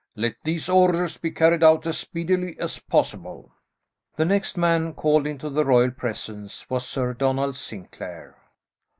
Let these orders be carried out as speedily as possible." The next man called into the royal presence was Sir Donald Sinclair.